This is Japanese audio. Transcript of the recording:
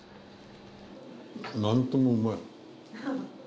なんともうまい。